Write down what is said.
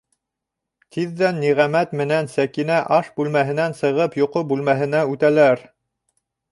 Тиҙҙән Ниғәмәт менән Сәкинә аш бүлмәһенән сығып йоҡо бүлмәһенә үтәләр.